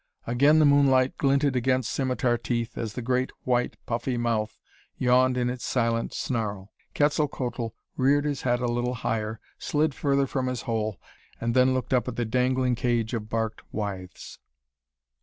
Again the moonlight glinted against simitar teeth as the great, white, puffy mouth yawned in its silent snarl. Quetzalcoatl reared his head a little higher, slid further from his hole, and then looked up at the dangling cage of barked withes.